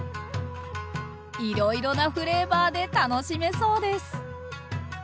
いろいろなフレーバーで楽しめそうです！